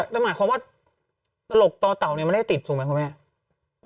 แต่หมายความว่าตลกต่อเต่าเนี่ยไม่ได้ติดถูกไหมคุณแม่